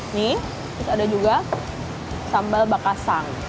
ini terus ada juga sambal bakasang